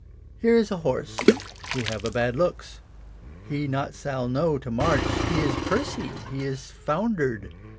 '' Here is a horse who have a bad looks. He not sail know to march, he is pursy, he is foundered.